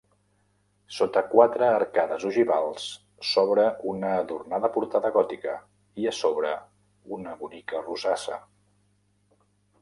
Sota quatre arcades ogivals s'obre una adornada portada gòtica, i a sobre una bonica rosassa.